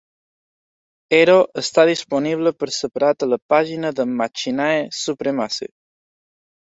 Hero està disponible per separat a la pàgina de Machinae Supremacy.